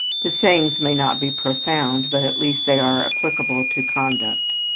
The sayings may not be profound, but at least they are applicable to conduct.